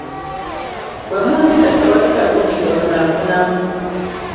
Bwe munzita tewali kalungi ke munaafunamu.